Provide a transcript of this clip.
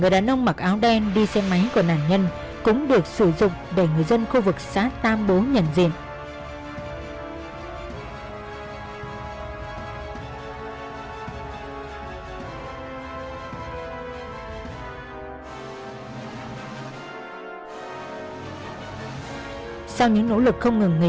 đ marketplace đấy lih synhar khoan